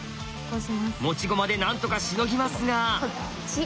持ち駒でなんとかしのぎますが。